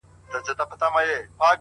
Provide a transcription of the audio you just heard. چي دي شراب ـ له خپل نعمته ناروا بلله ـ